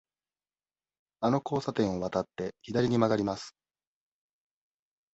あの交差点を渡って、左に曲がります。